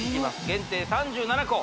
限定３７個